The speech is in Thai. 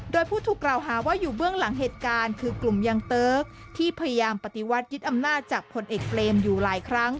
โดยผู้ถูกกล่าวหาว่าอยู่เบื้องหลังเหตุการณ์คือกลุ่มยังเติ๊กที่พยายามปฏิวัติยึดอำนาจจากผลเอกเปรมอยู่หลายครั้ง